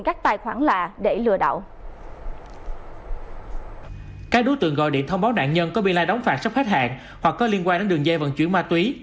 các đối tượng gọi điện thông báo nạn nhân có bị lai đóng phạt sắp hết hạn hoặc có liên quan đến đường dây vận chuyển ma túy